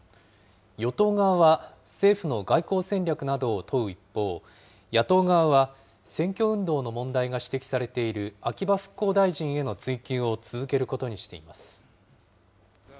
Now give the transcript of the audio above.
与党側は、政府の外交戦略などを問う一方、野党側は、選挙運動の問題が指摘されている秋葉復興大臣への追及を続けることにしています。